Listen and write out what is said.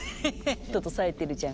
トットさえてるじゃん。